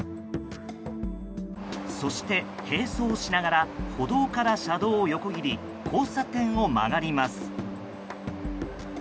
そして、並走しながら歩道から車道を横切り交差点を曲がります。